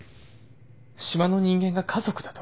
島の人間が家族だと？